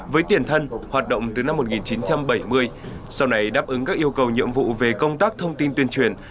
với tiền thân hoạt động từ năm một nghìn chín trăm bảy mươi sau này đáp ứng các yêu cầu nhiệm vụ về công tác thông tin tuyên truyền